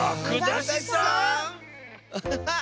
アハハッ！